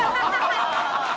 ハハハハ！